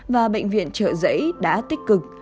và bệnh viện trợ giấy đã tích cực